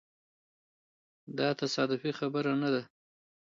دا تصادفي خبره نه ده.